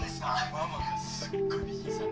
ママがすっごい美人さん。